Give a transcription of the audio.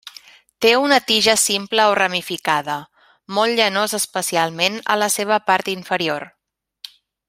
Té una tija simple o ramificada, molt llanós especialment a la seva part inferior.